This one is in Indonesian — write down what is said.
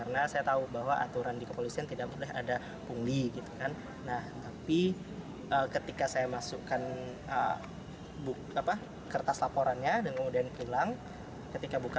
nah tapi ketika saya masukkan buku apa kertas laporannya dengan kemudian pulang ketika buka